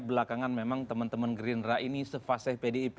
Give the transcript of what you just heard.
belakangan memang teman teman gerindra ini se faseh pdip